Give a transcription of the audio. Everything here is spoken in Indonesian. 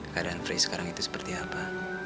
keadaan free sekarang itu seperti apa